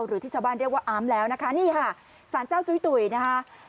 หรือที่ชาวบ้านเรียกว่าอามแล้วนะคะนี่ค่ะสารเจ้าจุ้ยตุ๋ยนะคะ